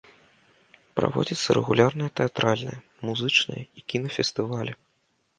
Праводзяцца рэгулярныя тэатральныя, музычныя і кінафестывалі.